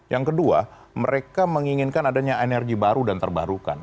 yang kedua mereka menginginkan adanya energi baru dan terbarukan